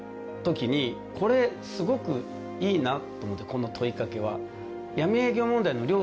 この問いかけは。